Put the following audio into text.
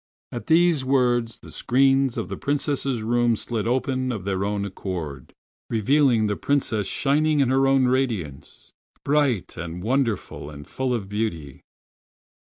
At these words the screens of the Princess's room slid open of their own accord, revealing the Princess shining in her own radiance, bright and wonderful and full of beauty.